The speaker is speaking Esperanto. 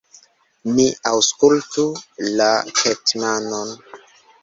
ni aŭskultu la hetmanon!